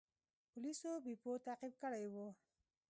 پولیسو بیپو تعقیب کړی و.